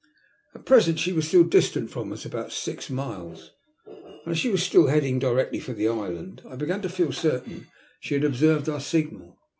At present she was distant from us about six miles, and as she was still heading directly for the island I began to feel certain she had observed our signal.